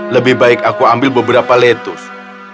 lebih baik aku ambil beberapa lettuce